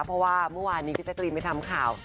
เพราะว่าเมื่อวานนี้พี่แจ๊กรีนไปทำข่าว